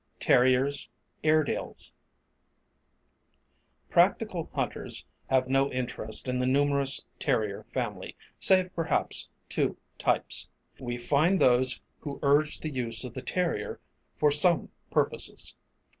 TERRIERS AIREDALES. Practical hunters have no interest in the numerous Terrier family, save perhaps two types. We find those who urge the use of the terrier for some purposes.